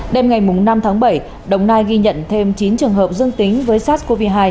đêm ngày năm tháng bảy đồng nai ghi nhận thêm chín trường hợp dương tính với sars cov hai